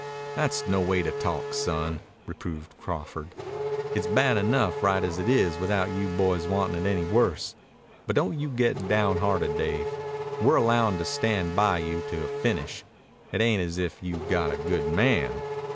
"Tha's no way to talk, son," reproved Crawford. "It's bad enough right as it is without you boys wantin' it any worse. But don't you get downhearted, Dave. We're allowin' to stand by you to a finish. It ain't as if you'd got a good man.